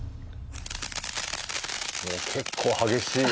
結構激しいやつ。